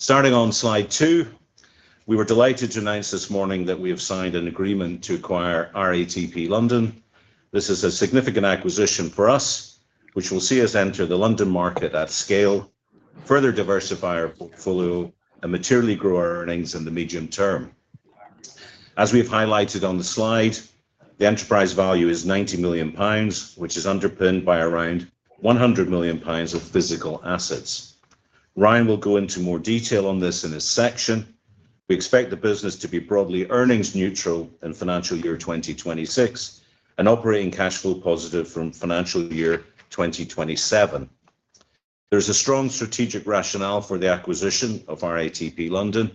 Starting on slide two, we were delighted to announce this morning that we have signed an agreement to acquire RATP London. This is a significant acquisition for us, which will see us enter the London market at scale, further diversify our portfolio, and materially grow our earnings in the medium term. As we've highlighted on the slide, the enterprise value is 90 million pounds, which is underpinned by around 100 million pounds of physical assets. Ryan will go into more detail on this in his section. We expect the business to be broadly earnings-neutral in financial year 2026 and operating cash flow positive from financial year 2027. There's a strong strategic rationale for the acquisition of RATP London,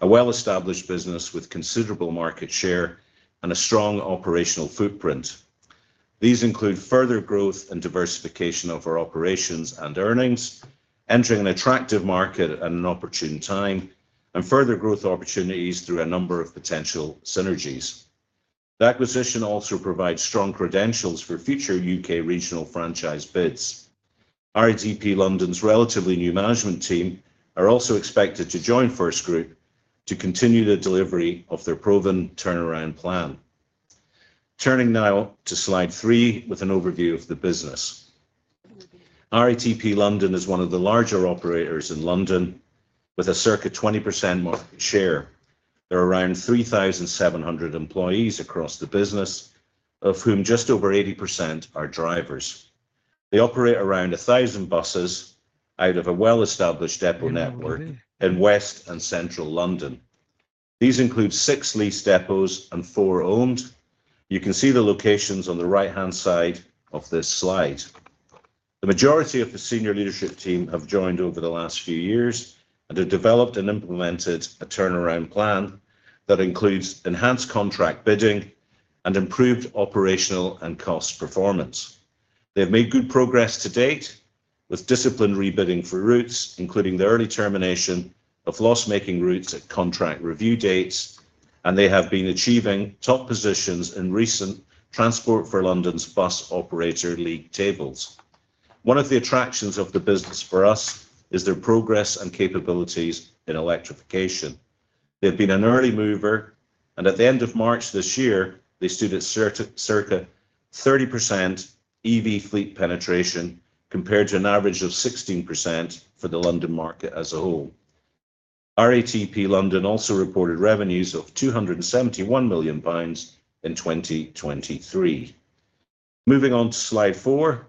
a well-established business with considerable market share and a strong operational footprint. These include further growth and diversification of our operations and earnings, entering an attractive market at an opportune time, and further growth opportunities through a number of potential synergies. The acquisition also provides strong credentials for future U.K. regional franchise bids. RATP London's relatively new management team are also expected to join FirstGroup to continue the delivery of their proven turnaround plan. Turning now to slide three with an overview of the business. RATP London is one of the larger operators in London with a circa 20% market share. There are around 3,700 employees across the business, of whom just over 80% are drivers. They operate around 1,000 buses out of a well-established depot network in West and Central London. These include six leased depots and four owned. You can see the locations on the right-hand side of this slide. The majority of the senior leadership team have joined over the last few years and have developed and implemented a turnaround plan that includes enhanced contract bidding and improved operational and cost performance. They've made good progress to date with disciplined rebidding for routes, including the early termination of loss-making routes at contract review dates, and they have been achieving top positions in recent Transport for London's Bus Operator League Tables. One of the attractions of the business for us is their progress and capabilities in electrification. They've been an early mover, and at the end of March this year, they stood at circa 30% EV fleet penetration compared to an average of 16% for the London market as a whole. RATP London also reported revenues of 271 million pounds in 2023. Moving on to slide four,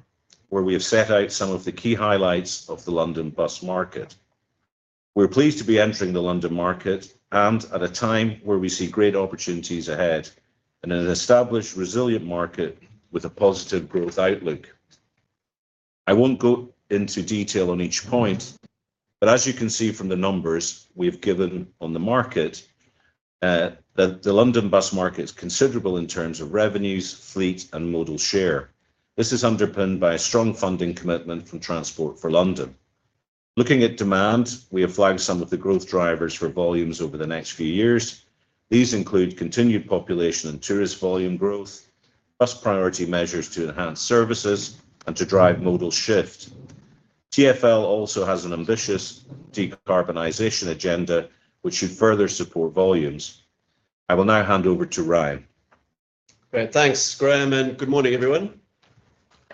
where we have set out some of the key highlights of the London bus market. We're pleased to be entering the London market and at a time where we see great opportunities ahead and an established, resilient market with a positive growth outlook. I won't go into detail on each point, but as you can see from the numbers we've given on the market, the London bus market is considerable in terms of revenues, fleet, and modal share. This is underpinned by a strong funding commitment from Transport for London. Looking at demand, we have flagged some of the growth drivers for volumes over the next few years. These include continued population and tourist volume growth, bus priority measures to enhance services, and to drive modal shift. TfL also has an ambitious decarbonization agenda, which should further support volumes. I will now hand over to Ryan. Great. Thanks, Graham, and good morning, everyone.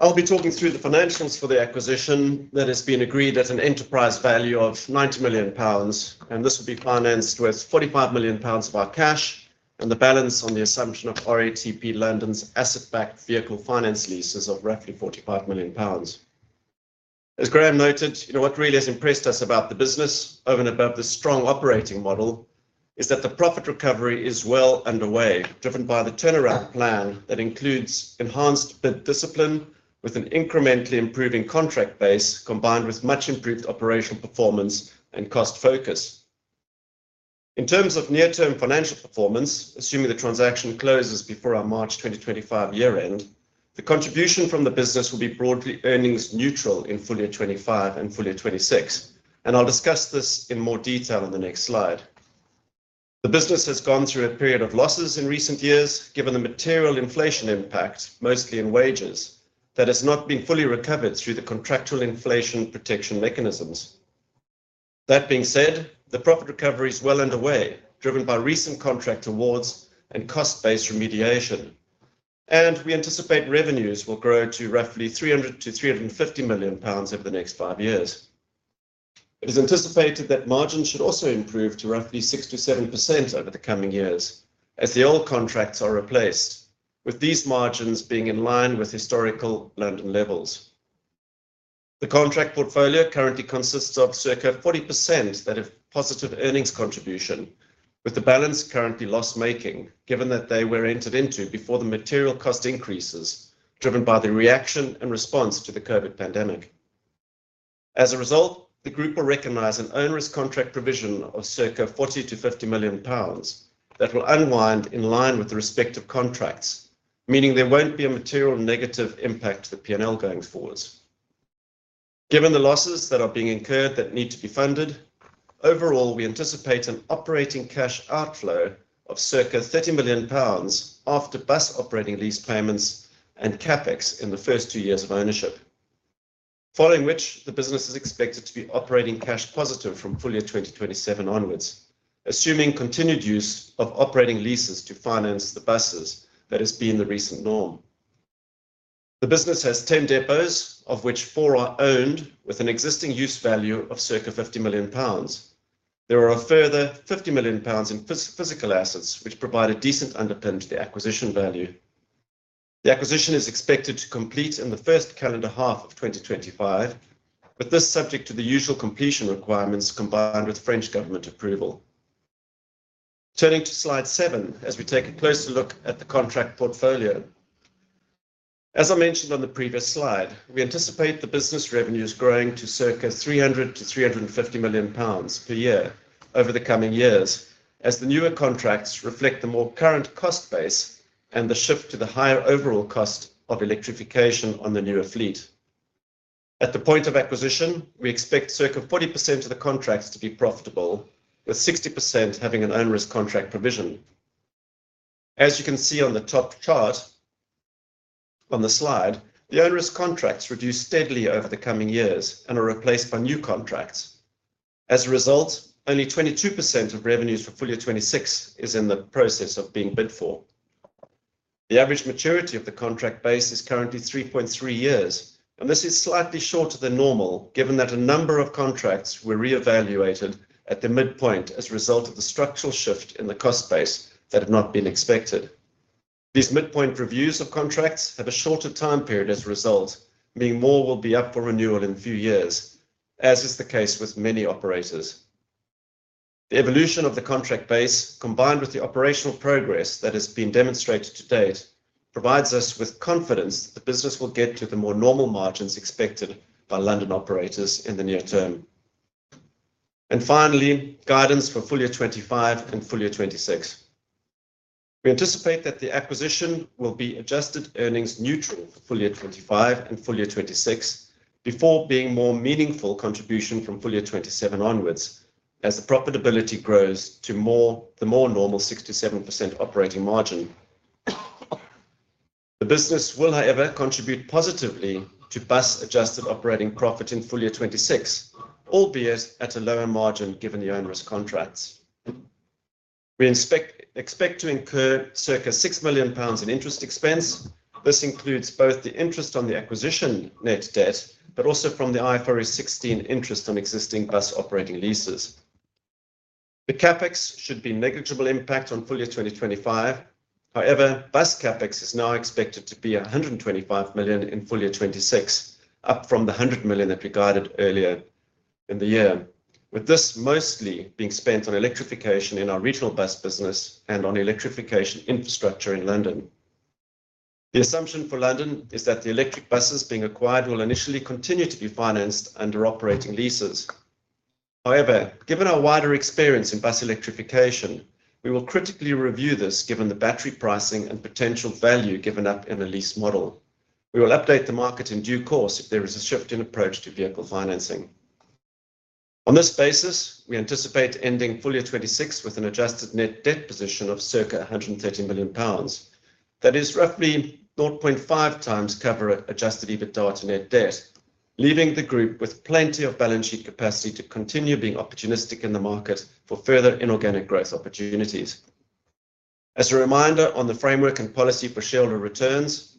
I'll be talking through the financials for the acquisition. That has been agreed at an enterprise value of 90 million pounds, and this will be financed with 45 million pounds of our cash and the balance on the assumption of RATP London's asset-backed vehicle finance leases of roughly 45 million pounds. As Graham noted, what really has impressed us about the business, over and above the strong operating model, is that the profit recovery is well underway, driven by the turnaround plan that includes enhanced bid discipline with an incrementally improving contract base, combined with much improved operational performance and cost focus. In terms of near-term financial performance, assuming the transaction closes before our March 2025 year-end, the contribution from the business will be broadly earnings-neutral in full year 2025 and full-year 2026, and I'll discuss this in more detail on the next slide. The business has gone through a period of losses in recent years, given the material inflation impact, mostly in wages. That has not been fully recovered through the contractual inflation protection mechanisms. That being said, the profit recovery is well underway, driven by recent contract awards and cost-based remediation, and we anticipate revenues will grow to roughly 300- 350 million pounds over the next five years. It is anticipated that margins should also improve to roughly 6%-7% over the coming years as the old contracts are replaced, with these margins being in line with historical London levels. The contract portfolio currently consists of circa 40% that have positive earnings contribution, with the balance currently loss-making, given that they were entered into before the material cost increases, driven by the reaction and response to the COVID pandemic. As a result, the Group will recognize an onerous contract provision of circa 40-50 million pounds that will unwind in line with the respective contracts, meaning there won't be a material negative impact to the P&L going forward. Given the losses that are being incurred that need to be funded, overall, we anticipate an operating cash outflow of circa 30 million pounds after bus operating lease payments and CapEx in the first two years of ownership, following which the business is expected to be operating cash positive from full-year 2027 onwards, assuming continued use of operating leases to finance the buses that has been the recent norm. The business has 10 depots, of which four are owned, with an existing use value of circa 50 million pounds. There are a further 50 million pounds in physical assets, which provide a decent underpin to the acquisition value. The acquisition is expected to complete in the first calendar half of 2025, with this subject to the usual completion requirements combined with French government approval. Turning to slide seven as we take a closer look at the contract portfolio. As I mentioned on the previous slide, we anticipate the business revenues growing to circa 300-350 million pounds per year over the coming years, as the newer contracts reflect the more current cost base and the shift to the higher overall cost of electrification on the newer fleet. At the point of acquisition, we expect circa 40% of the contracts to be profitable, with 60% having an onerous contract provision. As you can see on the top chart on the slide, the onerous contracts reduce steadily over the coming years and are replaced by new contracts. As a result, only 22% of revenues for full year 2026 is in the process of being bid for. The average maturity of the contract base is currently 3.3 years, and this is slightly shorter than normal, given that a number of contracts were re-evaluated at the midpoint as a result of the structural shift in the cost base that had not been expected. These midpoint reviews of contracts have a shorter time period as a result, meaning more will be up for renewal in a few years, as is the case with many operators. The evolution of the contract base, combined with the operational progress that has been demonstrated to date, provides us with confidence that the business will get to the more normal margins expected by London operators in the near term, and finally, guidance for full year 2025 and full year 2026. We anticipate that the acquisition will be adjusted earnings-neutral for full year 2025 and full year 2026 before being a more meaningful contribution from full year 2027 onwards, as the profitability grows to the more normal 6%-7% operating margin. The business will, however, contribute positively to bus-adjusted operating profit in full year 2026, albeit at a lower margin given the onerous contracts. We expect to incur circa 6 million pounds in interest expense. This includes both the interest on the acquisition net debt, but also from the IFRS 16 interest on existing bus operating leases. The Capex should be negligible impact on full year 2025. However, bus Capex is now expected to be 125 million in full year 2026, up from the 100 million that we guided earlier in the year, with this mostly being spent on electrification in our regional bus business and on electrification infrastructure in London. The assumption for London is that the electric buses being acquired will initially continue to be financed under operating leases. However, given our wider experience in bus electrification, we will critically review this given the battery pricing and potential value given up in a lease model. We will update the market in due course if there is a shift in approach to vehicle financing. On this basis, we anticipate ending full year 2026 with an adjusted net debt position of circa 130 million pounds. That is roughly 0.5x covered Adjusted EBITDA to net debt, leaving the Group with plenty of balance sheet capacity to continue being opportunistic in the market for further inorganic growth opportunities. As a reminder on the framework and policy for shareholder returns,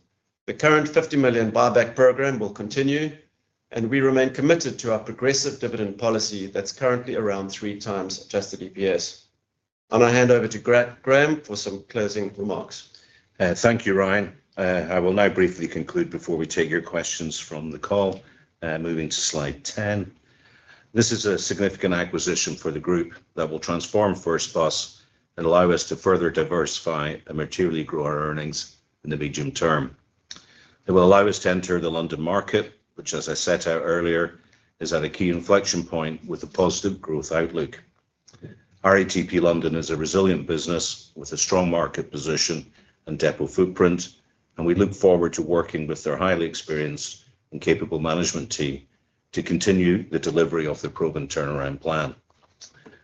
the current 50 million buyback program will continue, and we remain committed to our progressive dividend policy that's currently around 3x Adjusted EPS. I'm going to hand over to Graham for some closing remarks. Thank you, Ryan. I will now briefly conclude before we take your questions from the call. Moving to slide 10. This is a significant acquisition for the Group that will transform First Bus and allow us to further diversify and materially grow our earnings in the medium term. It will allow us to enter the London market, which, as I set out earlier, is at a key inflection point with a positive growth outlook. RATP London is a resilient business with a strong market position and depot footprint, and we look forward to working with their highly experienced and capable management team to continue the delivery of the proven turnaround plan.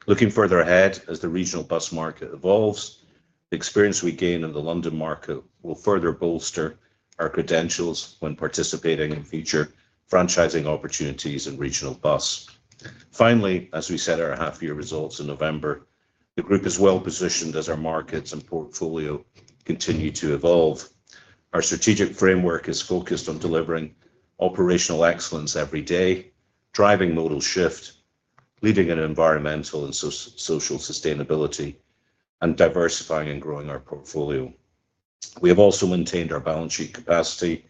Looking further ahead as the regional bus market evolves, the experience we gain in the London market will further bolster our credentials when participating in future franchising opportunities in regional bus. Finally, as we set our half-year results in November, the Group is well positioned as our markets and portfolio continue to evolve. Our strategic framework is focused on delivering operational excellence every day, driving modal shift, leading in environmental and social sustainability, and diversifying and growing our portfolio. We have also maintained our balance sheet capacity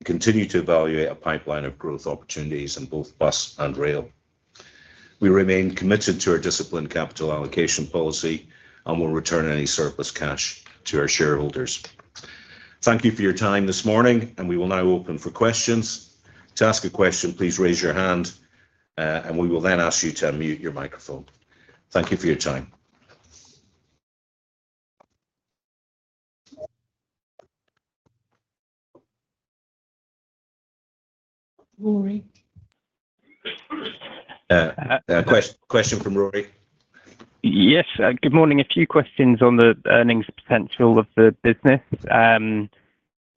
and continue to evaluate a pipeline of growth opportunities in both bus and rail. We remain committed to our disciplined capital allocation policy and will return any surplus cash to our shareholders. Thank you for your time this morning, and we will now open for questions. To ask a question, please raise your hand, and we will then ask you to unmute your microphone. Thank you for your time. Rory. Question from Rory. Yes. Good morning. A few questions on the earnings potential of the business.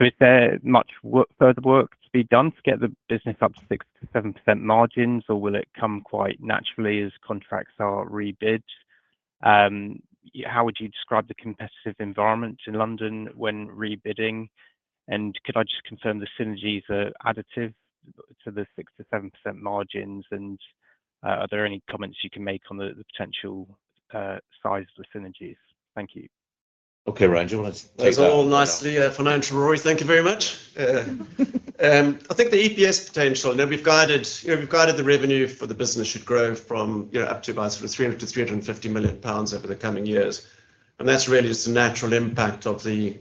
Is there much further work to be done to get the business up to 6%-7% margins, or will it come quite naturally as contracts are rebid? How would you describe the competitive environment in London when rebidding? And could I just confirm the synergies are additive to the 6%-7% margins? And are there any comments you can make on the potential size of the synergies? Thank you. Okay, Ryan. Do you want to take that? It's all nicely financial, Rory. Thank you very much. I think the EPS potential, we've guided the revenue for the business should grow from up to about 300- 350 million pounds over the coming years. And that's really just a natural impact of the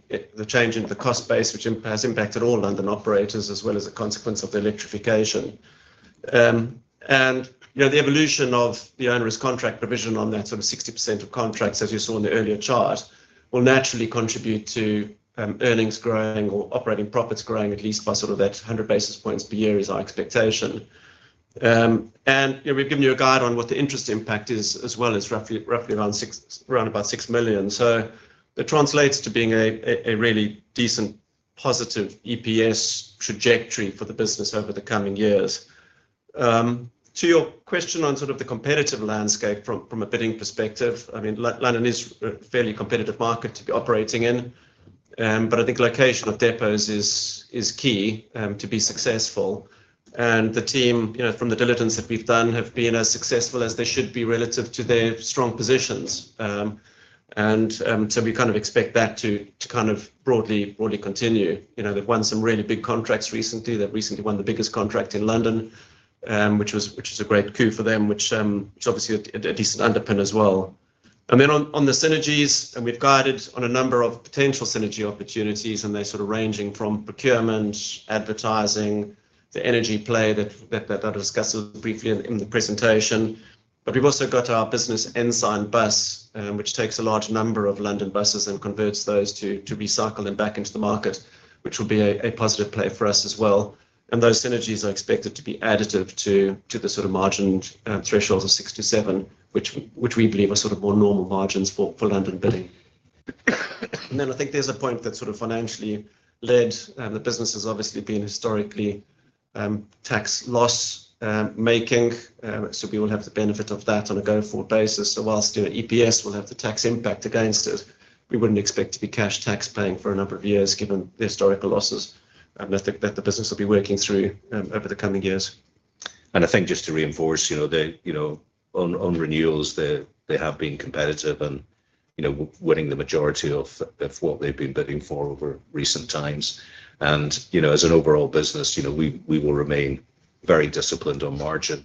change in the cost base, which has impacted all London operators as well as a consequence of the electrification. And the evolution of the onerous contract provision on that sort of 60% of contracts, as you saw in the earlier chart, will naturally contribute to earnings growing or operating profits growing at least by sort of that 100 basis points per year is our expectation. And we've given you a guide on what the interest impact is, as well as roughly around about 6 million. So it translates to being a really decent positive EPS trajectory for the business over the coming years. To your question on sort of the competitive landscape from a bidding perspective, I mean, London is a fairly competitive market to be operating in, but I think location of depots is key to be successful. And the team, from the diligence that we've done, have been as successful as they should be relative to their strong positions. And so we kind of expect that to kind of broadly continue. They've won some really big contracts recently. They've recently won the biggest contract in London, which is a great coup for them, which is obviously a decent underpin as well. And then on the synergies, we've guided on a number of potential synergy opportunities, and they're sort of ranging from procurement, advertising, the energy play that I discussed briefly in the presentation. But we've also got our business Ensignbus, which takes a large number of London buses and converts those to recycle and back into the market, which will be a positive play for us as well. And those synergies are expected to be additive to the sort of margin thresholds of 6%-7%, which we believe are sort of more normal margins for London bidding. And then I think there's a point that sort of financially led. The business has obviously been historically tax loss-making, so we will have the benefit of that on a go-forward basis. So whilst EPS will have the tax impact against it, we wouldn't expect to be cash tax paying for a number of years given the historical losses. And I think that the business will be working through over the coming years. And I think just to reinforce on renewals, they have been competitive and winning the majority of what they've been bidding for over recent times. And as an overall business, we will remain very disciplined on margin.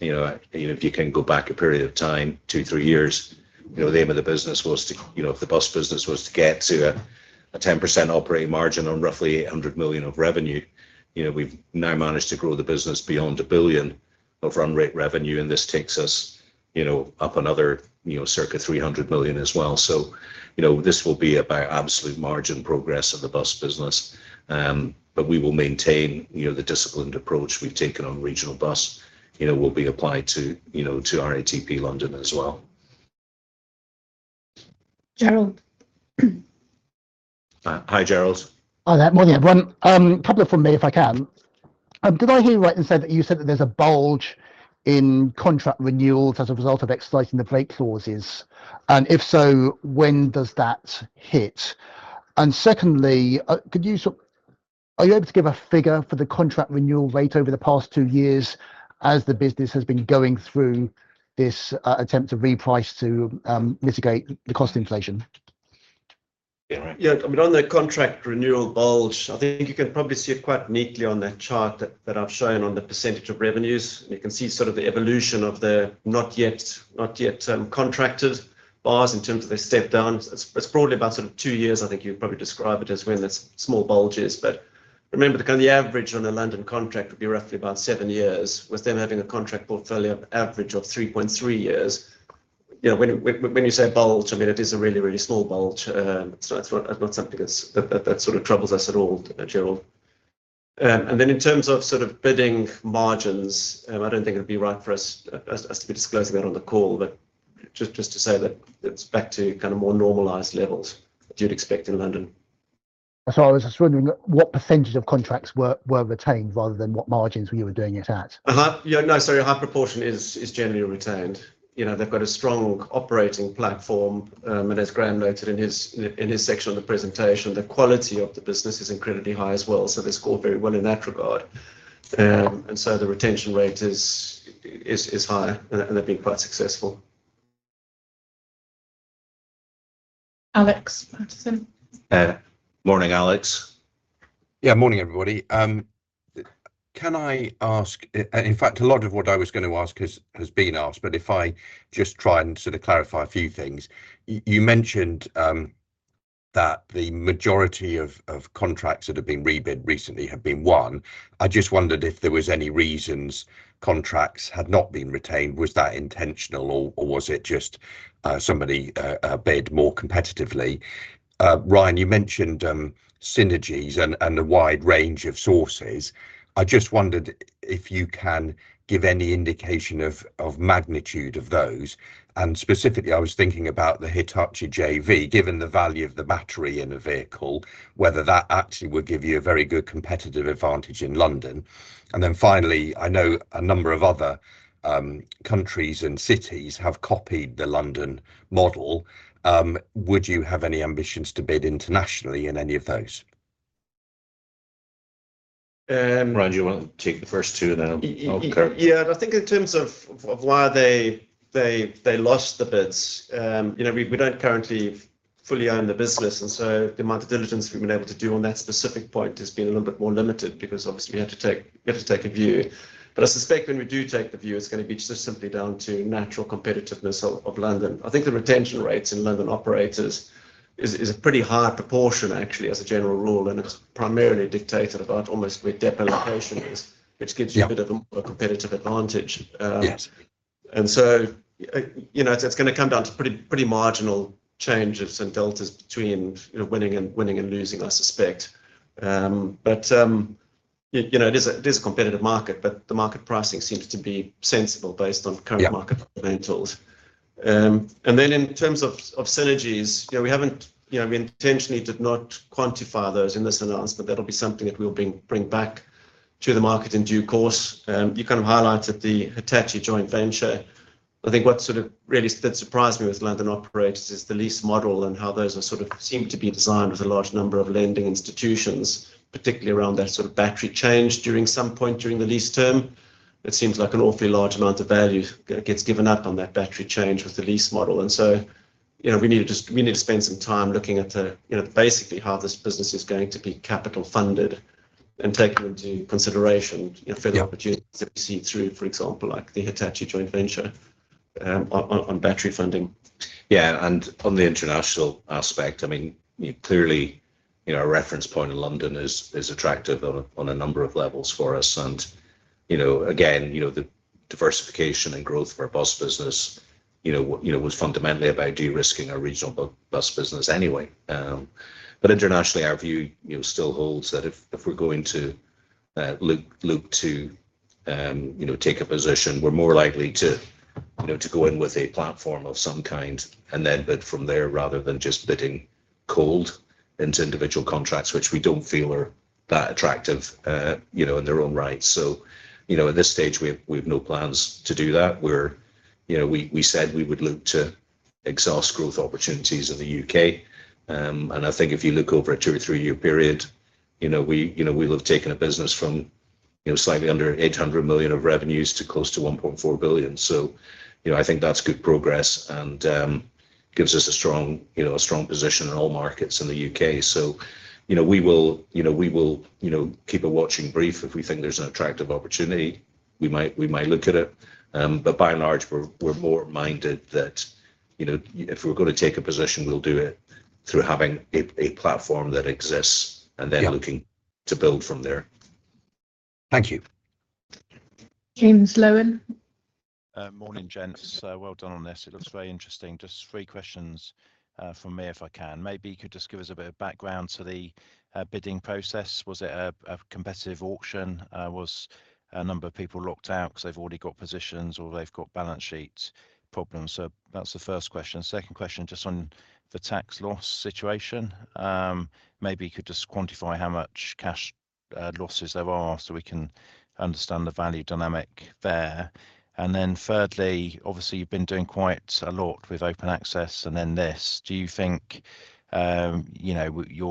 If you can go back a period of time, two, three years, the aim of the business was to, if the bus business was to get to a 10% operating margin on roughly 800 million of revenue, we've now managed to grow the business beyond a billion of run rate revenue. And this takes us up another circa 300 million as well. So this will be about absolute margin progress of the bus business, but we will maintain the disciplined approach we've taken on regional bus will be applied to RATP London as well. Gerald. Hi, Gerald. Oh, a question from me, if I can. Did I hear you right and say that you said that there's a bulge in contract renewals as a result of exercising the rate clauses? And if so, when does that hit? And secondly, are you able to give a figure for the contract renewal rate over the past two years as the business has been going through this attempt to reprice to mitigate the cost inflation? Yeah. I mean, on the contract renewal bulge, I think you can probably see it quite neatly on that chart that I've shown on the percentage of revenues. You can see sort of the evolution of the not yet contracted bars in terms of their step down. It's probably about sort of two years. I think you'd probably describe it as when there's small bulges. But remember, the average on a London contract would be roughly about seven years, with them having a contract portfolio average of 3.3 years. When you say bulge, I mean, it is a really, really small bulge. It's not something that sort of troubles us at all, Gerald. In terms of sort of bidding margins, I don't think it'd be right for us to be disclosing that on the call, but just to say that it's back to kind of more normalized levels that you'd expect in London. Sorry, I was just wondering what percentage of contracts were retained rather than what margins you were doing it at? No, sorry, high proportion is generally retained. They've got a strong operating platform, and as Graham noted in his section on the presentation, the quality of the business is incredibly high as well. So they score very well in that regard. And so the retention rate is high, and they've been quite successful. Alex Paterson. Morning, Alex. Yeah, morning, everybody. Can I ask? In fact, a lot of what I was going to ask has been asked, but if I just try and sort of clarify a few things. You mentioned that the majority of contracts that have been rebid recently have been won. I just wondered if there were any reasons contracts had not been retained? Was that intentional, or was it just somebody bid more competitively? Ryan, you mentioned synergies and a wide range of sources. I just wondered if you can give any indication of magnitude of those, and specifically, I was thinking about the Hitachi JV, given the value of the battery in a vehicle, whether that actually would give you a very good competitive advantage in London, and then finally, I know a number of other countries and cities have copied the London model. Would you have any ambitions to bid internationally in any of those? Ryan, do you want to take the first two, and then I'll come in? Yeah. And I think in terms of why they lost the bids, we don't currently fully own the business. And so the amount of diligence we've been able to do on that specific point has been a little bit more limited because obviously we had to take a view. But I suspect when we do take the view, it's going to be just simply down to natural competitiveness of London. I think the retention rates in London operators is a pretty high proportion, actually, as a general rule, and it's primarily dictated about almost where depot location is, which gives you a bit of a more competitive advantage. And so it's going to come down to pretty marginal changes and deltas between winning and losing, I suspect. But it is a competitive market, but the market pricing seems to be sensible based on current market fundamentals. In terms of synergies, we intentionally did not quantify those in this announcement. That'll be something that we'll bring back to the market in due course. You kind of highlighted the Hitachi joint venture. I think what sort of really did surprise me with London operators is the lease model and how those sort of seem to be designed with a large number of lending institutions, particularly around that sort of battery change during some point during the lease term. It seems like an awfully large amount of value gets given up on that battery change with the lease model. And so we need to spend some time looking at basically how this business is going to be capital funded and taken into consideration for the opportunities that we see through, for example, like the Hitachi joint venture on battery funding. Yeah. And on the international aspect, I mean, clearly, a reference point in London is attractive on a number of levels for us. And again, the diversification and growth of our bus business was fundamentally about de-risking our regional bus business anyway. But internationally, our view still holds that if we're going to look to take a position, we're more likely to go in with a platform of some kind and then bid from there rather than just bidding cold into individual contracts, which we don't feel are that attractive in their own right. So at this stage, we have no plans to do that. We said we would look to exhaust growth opportunities in the UK. And I think if you look over a two or three-year period, we will have taken a business from slightly under 800 million of revenues to close to 1.4 billion. So I think that's good progress and gives us a strong position in all markets in the U.K. So we will keep a watching brief. If we think there's an attractive opportunity, we might look at it. But by and large, we're more minded that if we're going to take a position, we'll do it through having a platform that exists and then looking to build from there. Thank you. James Lowen. Morning, gents. Well done on this. It looks very interesting. Just three questions from me if I can. Maybe you could just give us a bit of background to the bidding process. Was it a competitive auction? Was a number of people locked out because they've already got positions or they've got balance sheet problems? So that's the first question. Second question, just on the tax loss situation. Maybe you could just quantify how much cash losses there are so we can understand the value dynamic there. And then thirdly, obviously, you've been doing quite a lot with Open Access and then this. Do you think you're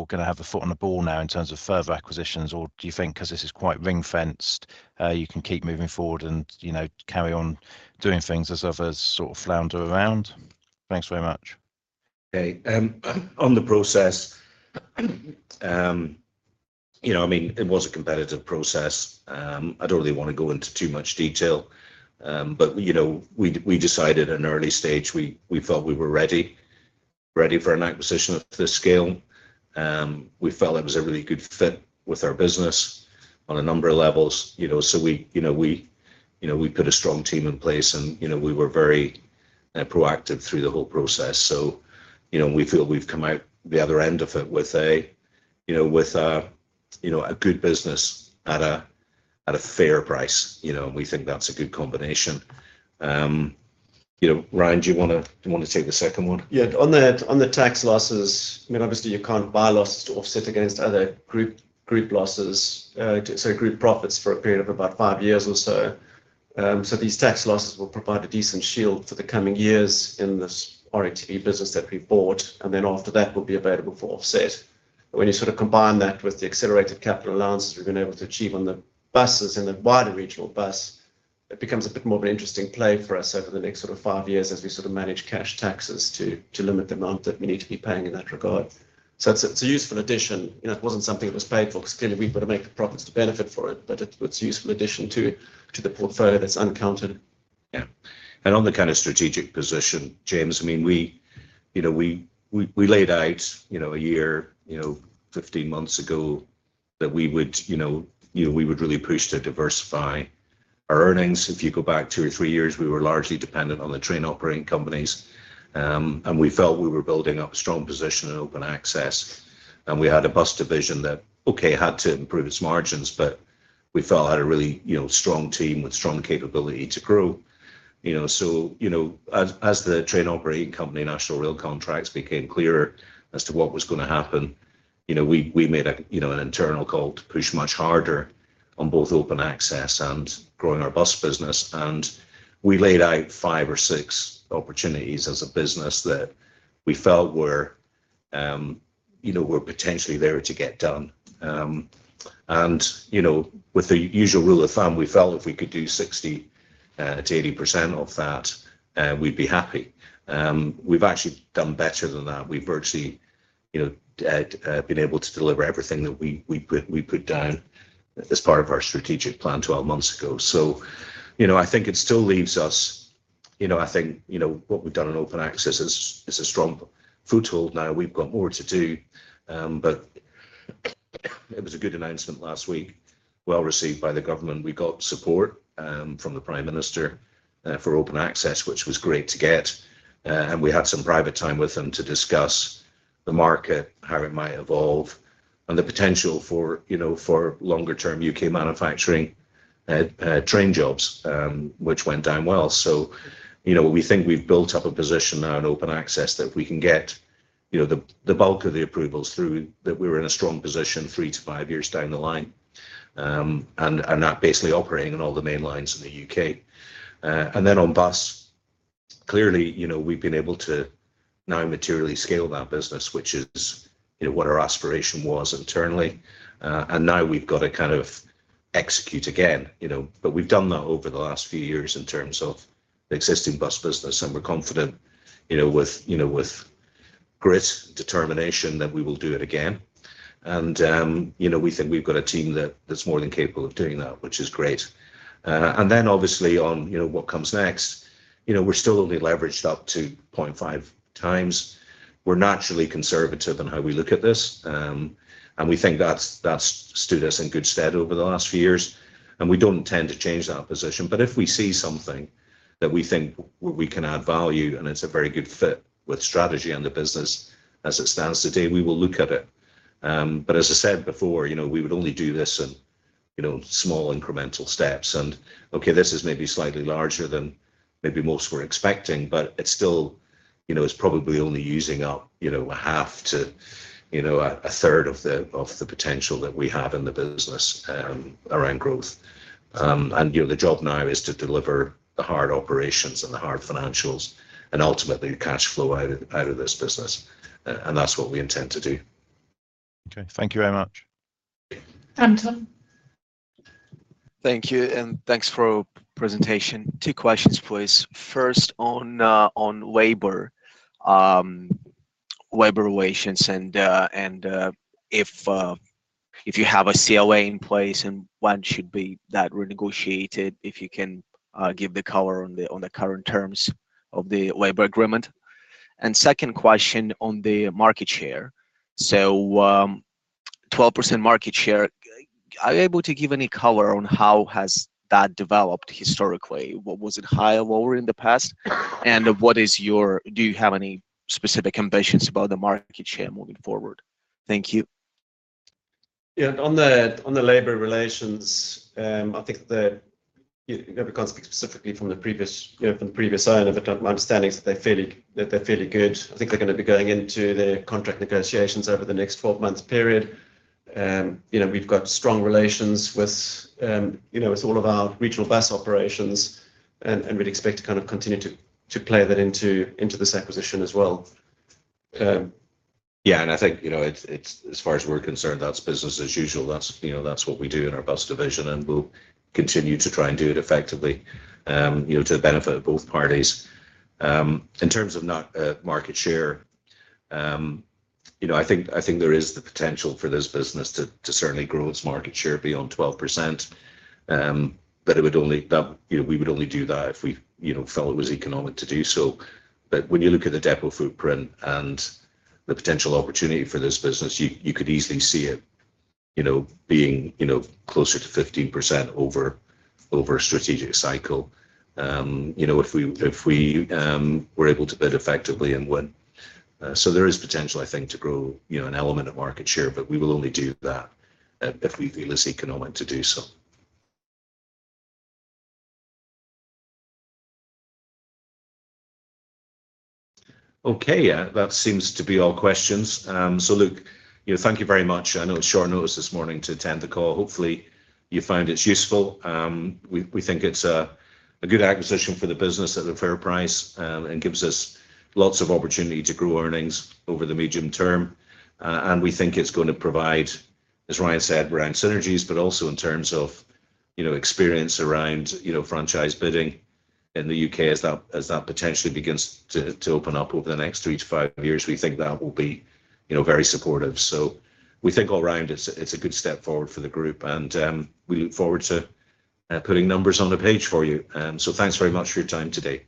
going to have a foot in the door now in terms of further acquisitions, or do you think because this is quite ring-fenced, you can keep moving forward and carry on doing things as others sort of flounder around? Thanks very much. Okay. On the process, I mean, it was a competitive process. I don't really want to go into too much detail, but we decided at an early stage we felt we were ready for an acquisition of this scale. We felt it was a really good fit with our business on a number of levels. So we put a strong team in place, and we were very proactive through the whole process. So we feel we've come out the other end of it with a good business at a fair price. We think that's a good combination. Ryan, do you want to take the second one? Yeah. On the tax losses, I mean, obviously, you can't buy losses to offset against other group losses, sorry, group profits for a period of about five years or so. So these tax losses will provide a decent shield for the coming years in this RATP business that we've bought. And then after that, we'll be available for offset. When you sort of combine that with the accelerated capital allowances we've been able to achieve on the buses and the wider regional bus, it becomes a bit more of an interesting play for us over the next sort of five years as we sort of manage cash taxes to limit the amount that we need to be paying in that regard. So it's a useful addition. It wasn't something that was paid for because clearly, we've got to make the profits to benefit for it, but it's a useful addition to the portfolio that's uncounted. Yeah. And on the kind of strategic position, James, I mean, we laid out a year, 15 months ago that we would really push to diversify our earnings. If you go back two or three years, we were largely dependent on the train operating companies. And we felt we were building up a strong position in Open Access. And we had a bus division that, okay, had to improve its margins, but we felt had a really strong team with strong capability to grow. So as the train operating company, National Rail Contracts, became clearer as to what was going to happen, we made an internal call to push much harder on both Open Access and growing our bus business. And we laid out five or six opportunities as a business that we felt were potentially there to get done. With the usual rule of thumb, we felt if we could do 60%-80% of that, we'd be happy. We've actually done better than that. We've virtually been able to deliver everything that we put down as part of our strategic plan 12 months ago. I think it still leaves us. I think what we've done in Open Access is a strong foothold now. We've got more to do. It was a good announcement last week, well received by the government. We got support from the Prime Minister for Open Access, which was great to get. We had some private time with them to discuss the market, how it might evolve, and the potential for longer-term U.K. manufacturing train jobs, which went down well. So, we think we've built up a position now in Open Access that we can get the bulk of the approvals through, that we were in a strong position three to five years down the line, and that basically operating on all the main lines in the U.K. And then on bus, clearly, we've been able to now materially scale that business, which is what our aspiration was internally. And now we've got to kind of execute again. But we've done that over the last few years in terms of the existing bus business. And we're confident with grit, determination that we will do it again. And we think we've got a team that's more than capable of doing that, which is great. And then obviously, on what comes next, we're still only leveraged up to 0.5x. We're naturally conservative in how we look at this. And we think that's stood us in good stead over the last few years. And we don't intend to change that position. But if we see something that we think we can add value and it's a very good fit with strategy on the business as it stands today, we will look at it. But as I said before, we would only do this in small incremental steps. And okay, this is maybe slightly larger than maybe most were expecting, but it's probably only using up a half to a third of the potential that we have in the business around growth. And the job now is to deliver the hard operations and the hard financials and ultimately cash flow out of this business. And that's what we intend to do. Okay. Thank you very much. Anton. Thank you. And thanks for your presentation. Two questions, please. First, on labor relations and if you have a CBA in place and when should that renegotiate it, if you can give the color on the current terms of the labor agreement. And second question on the market share. So 12% market share, are you able to give any color on how has that developed historically? Was it higher or lower in the past? And do you have any specific ambitions about the market share moving forward? Thank you. Yeah. On the labor relations, I think that we can't speak specifically from the previous owner. My understanding is that they're fairly good. I think they're going to be going into their contract negotiations over the next 12-month period. We've got strong relations with all of our regional bus operations and really expect to kind of continue to play that into this acquisition as well. Yeah, and I think as far as we're concerned, that's business as usual. That's what we do in our bus division, and we'll continue to try and do it effectively to the benefit of both parties. In terms of market share, I think there is the potential for this business to certainly grow its market share beyond 12%, but we would only do that if we felt it was economic to do so. But when you look at the depot footprint and the potential opportunity for this business, you could easily see it being closer to 15% over a strategic cycle if we were able to bid effectively and win. So there is potential, I think, to grow an element of market share, but we will only do that if we feel it's economic to do so. Okay, that seems to be all questions, so look, thank you very much. I know it's short notice this morning to attend the call. Hopefully, you found it useful. We think it's a good acquisition for the business at a fair price and gives us lots of opportunity to grow earnings over the medium term, and we think it's going to provide, as Ryan said, around synergies, but also in terms of experience around franchise bidding in the UK as that potentially begins to open up over the next three to five years. We think that will be very supportive, so we think all around, it's a good step forward for the group, and we look forward to putting numbers on the page for you, so thanks very much for your time today.